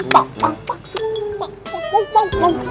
ini tidak baik